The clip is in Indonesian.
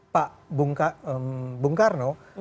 pak bung karno